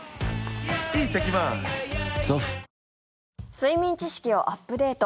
睡眠知識をアップデート。